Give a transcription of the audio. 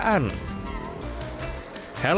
helm yang bagian besar dari helm ini